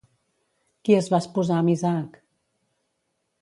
Qui es va esposar amb Isaac?